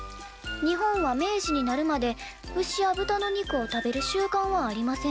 日本は明治になるまで牛や豚の肉を食べる習慣はありませんでした」。